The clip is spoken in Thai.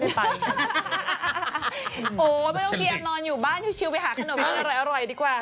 โอ้โหไม่ต้องเกียร์นอนอยู่บ้านชิวไปหาขนมอะไรอร่อยดีกว่า